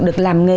được làm nghề